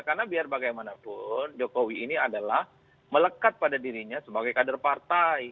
karena biar bagaimanapun jokowi ini adalah melekat pada dirinya sebagai kader partai